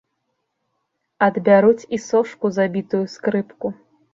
Адбяруць і сошку за бітую скрыпку.